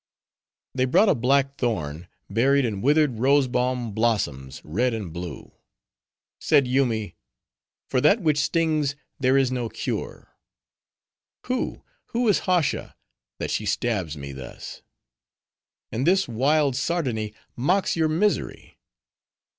They brought a black thorn, buried in withered rose balm blossoms, red and blue. Said Yoomy, "For that which stings, there is no cure," "Who, who is Hautia, that she stabs me thus?" "And this wild sardony mocks your misery."